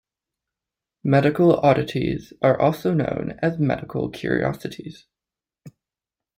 Medical oddities are also known as "medical curiosities".